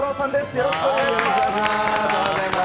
よろしくお願いします。